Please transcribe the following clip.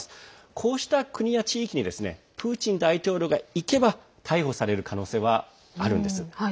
こうした国や地域にプーチン大統領が行けば逮捕される可能性はあるんです。